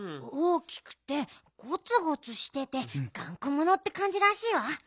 大きくてゴツゴツしててがんこものってかんじらしいわ。